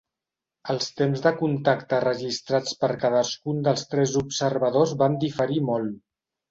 Els temps de contacte registrats per cadascun dels tres observadors van diferir molt.